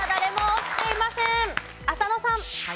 浅野さん。